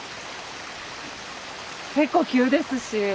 結構急ですしうん。